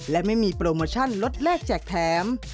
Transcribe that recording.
และไม่มีโปรโมชั่นลดแรกแจกแถม